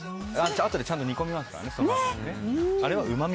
あとでちゃんと煮込みますからね。